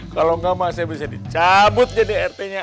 kalau enggak masa bisa dicabut jadi rt nya